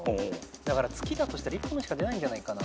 だから月だとしたら一本しか出ないんじゃないかな。